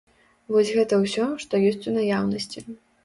Вось гэта ўсё, што ёсць у наяўнасці.